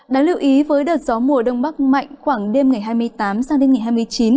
đáng lưu ý với đợt gió mùa đông bắc mạnh khoảng đêm ngày hai mươi tám sang đến ngày hai mươi chín